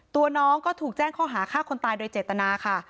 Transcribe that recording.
ตัวน้องก็ถูกแจ้งข้อหาฆ่าคนตายโดยเจตนาค่ะ